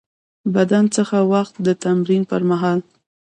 بدن څه وخت د تمرین پر مهال